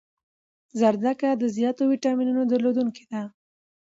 زردکه د زیاتو ویټامینونو درلودنکی ده